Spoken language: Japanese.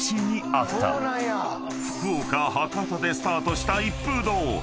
［福岡博多でスタートした一風堂］